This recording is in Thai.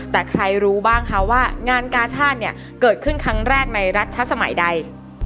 แต่ใครรู้บ้างคะว่างานกาชาติเนี่ยเกิดขึ้นครั้งแรกในรัชสมัยใด